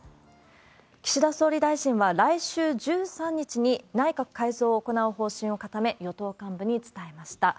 岸田総理大臣は、来週１３日に、内閣改造を行う方針を固め、与党幹部に伝えました。